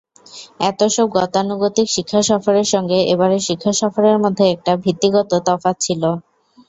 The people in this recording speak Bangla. এতসব গতানুগতিক শিক্ষাসফরের সঙ্গে এবারের শিক্ষাসফরের মধ্যে একটা ভিত্তিগত তফাত ছিল।